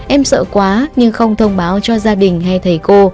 em sợ quá nhưng không thông báo cho gia đình hay thầy cô